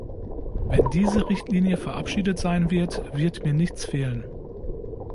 Wenn diese Richtlinie verabschiedet sein wird, wird mir nichts fehlen.